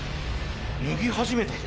脱ぎ始めたぞ。